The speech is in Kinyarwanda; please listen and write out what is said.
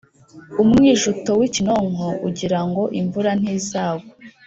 Umwijuto w’ikinonko ugirango imvura ntizagwa.